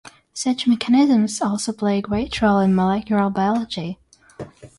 Such mechanisms also play a great role in molecular biology.